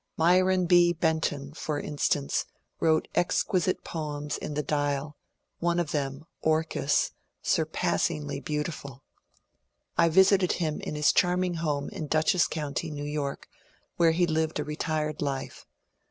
Myron B. Benton, for instance, wrote exquisite poems in the ^^ Dial," one of them, *^ Orchis," surpassingly beautiful. I visited him in his charm ing home in Dutchess County, New York, where he lived a retired life.